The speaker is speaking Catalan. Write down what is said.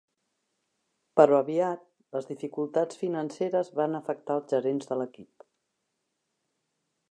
Però aviat les dificultats financeres van afectar els gerents de l'equip.